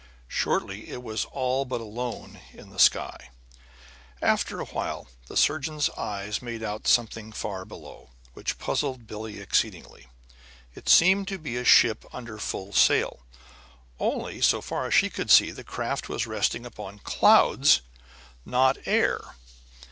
Shortly it was all but alone in the sky. After a while the surgeon's eyes made out something far below, which puzzled Billie exceedingly. It seemed to be a ship under full sail; only, so far as she could see the craft was resting upon clouds, not air.